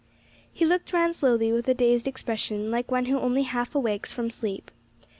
He looked round slowly, with a dazed expression, like one who only half awakes from sleep.